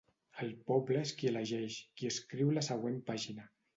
El poble és qui elegeix, qui escriu la següent pàgina.